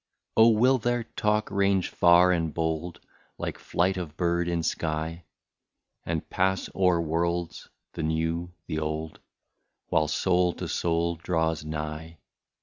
" Oh ! will their talk range far and bold, Like flight of bird in sky. And pass o'er lands, the new, the old, While soul to soul draws nigh.